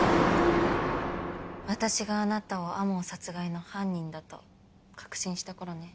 私があなたを天羽殺害の犯人だと確信した頃ね。